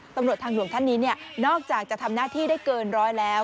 ตำรวจทางหลวงท่านนี้นอกจากจะทำหน้าที่ได้เกินร้อยแล้ว